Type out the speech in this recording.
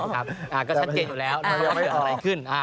ค่ะก็ชัดเจนอยู่แล้วถ้าเกิดอะไรขึ้น